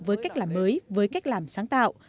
với cách làm mới với cách làm sáng tạo